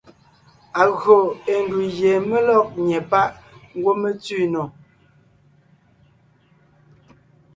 Agÿò ée ndù gie mé lɔ́g nyɛ́ páʼ ngwɔ́ mé tsẅi nò.